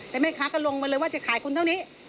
แต่แม่ค้าก็ลงไปเลยว่าจะขายคนเท่านี้